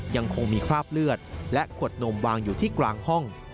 ยังคงมีคราบเลือดและขวดนมวางอยู่ที่กลางห้อง